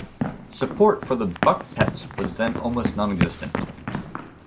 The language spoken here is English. Support for The Buck Pets was then almost non-existent.